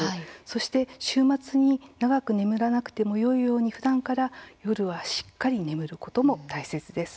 そして週末に長く眠らなくてもよいようにふだんから夜はしっかり眠ることも大切です。